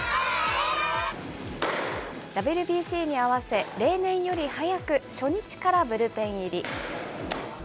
ＷＢＣに合わせ、例年より早く、初日からブルペン入り。